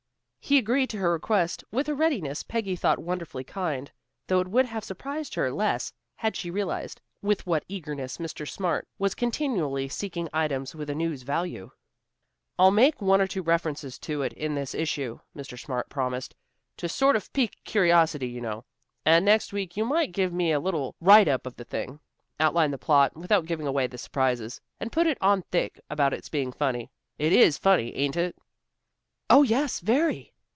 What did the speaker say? He agreed to her request with a readiness Peggy thought wonderfully kind, though it would have surprised her less, had she realized with what eagerness Mr. Smart was continually seeking items with a news value. "I'll make one or two references to it in this issue," Mr. Smart promised, "to sort of pique curiosity, you know. And next week you might give me a little write up of the thing. Outline the plot, without giving away the surprises, and put it on thick about its being funny. It is funny, ain't it?" "Oh, yes, very."